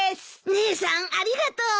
姉さんありがとう。